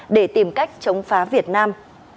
để tìm cách chống phá việt nam